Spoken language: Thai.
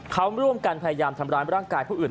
เขาร่วมกันพยายามทำร้ายร่างกายผู้อื่น